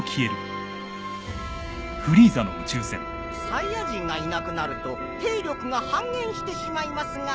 サイヤ人がいなくなると兵力が半減してしまいますが。